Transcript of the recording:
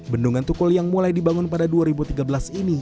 bendungan tukul yang mulai dibangun pada dua ribu tiga belas ini